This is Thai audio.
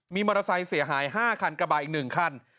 มีมอเตอร์ไซค์เสียหาย๕คันกระบาดอีก๑คัน